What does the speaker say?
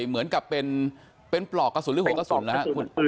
เหมือนกับเป็นปลอกกระสุนหรือหัวกระสุนนะครับ